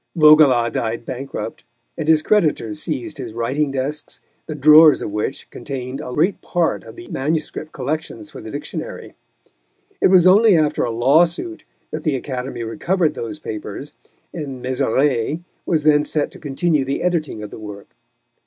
Vaugelas died bankrupt, and his creditors seized his writing desks, the drawers of which contained a great part of the MS. collections for the Dictionary. It was only after a lawsuit that the Academy recovered those papers, and Mézeray was then set to continue the editing of the work.